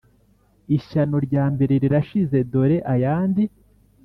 Ishyano rya mbere rirashize dore ayandi